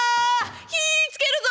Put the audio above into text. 火ぃつけるぞ！」。